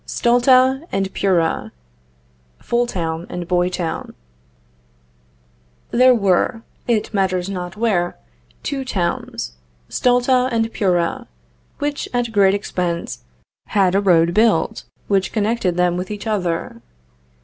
STULTA AND PUERA (FOOL TOWN AND BOY TOWN). There were, it matters not where, two towns, Stulta and Puera, which at great expense had a road built which connected them with each other.